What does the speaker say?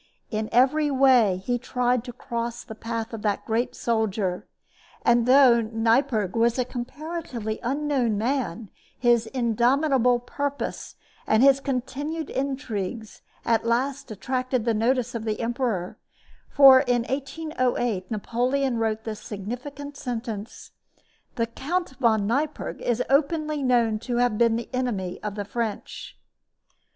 In every way he tried to cross the path of that great soldier, and, though Neipperg was comparatively an unknown man, his indomitable purpose and his continued intrigues at last attracted the notice of the emperor; for in 1808 Napoleon wrote this significant sentence: The Count von Neipperg is openly known to have been the enemy of the French.